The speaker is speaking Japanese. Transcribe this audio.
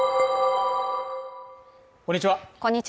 こんにちは